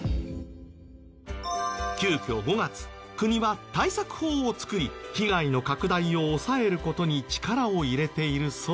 急きょ５月国は対策法を作り被害の拡大を抑える事に力を入れているそう。